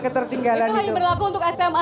ketertinggalan itu itu lagi berlaku untuk sma